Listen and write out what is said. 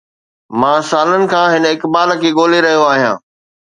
مان سالن کان هن اقبال کي ڳولي رهيو آهيان